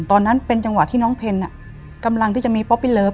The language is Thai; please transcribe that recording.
ตอนนั้นเป็นจังหวะที่น้องเพนกำลังที่จะมีป๊อปปี้เลิฟ